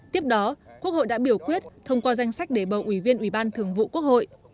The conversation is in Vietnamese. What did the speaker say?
tiếp đó quốc hội đã biểu quyết thông qua danh sách để bầu ủy viên ủy ban thường vụ quốc hội